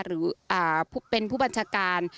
หรือเป็นผู้บัญชาการ